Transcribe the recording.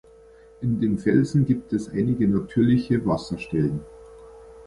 In dem Felsen gibt es einige natürliche Wasserstellen.